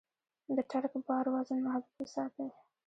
د ټرک بار وزن محدود وساتئ.